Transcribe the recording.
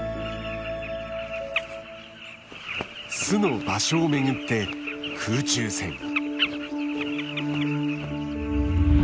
巣の場所を巡って空中戦。